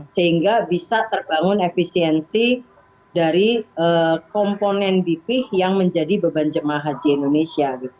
sehingga bisa terbangun efisiensi dari komponen bp yang menjadi beban jemaah haji indonesia